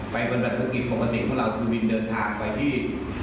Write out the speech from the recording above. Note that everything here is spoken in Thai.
กับฐานประกิษปกติของเราจะบินเดินทางไปที่